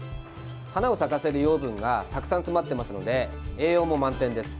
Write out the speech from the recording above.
花を咲かせる養分がたくさん詰まってますので栄養も満点です。